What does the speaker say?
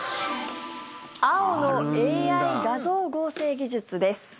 青のＡＩ画像合成技術です。